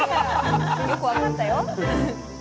よく分かったよ。